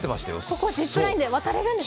ここをジップラインで渡れるんですか。